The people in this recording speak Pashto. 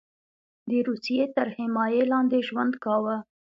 د روسیې تر حمایې لاندې ژوند کاوه.